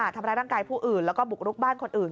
ไปฆ่าธรรมดาลไกรผู้อื่นแล้วก็บุกลุกบ้านคนอื่น